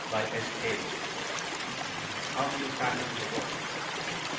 _ HOW DO YOU TACKLE YOUR WORK?